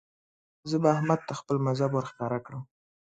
زه به احمد ته خپل مذهب ور ښکاره کړم.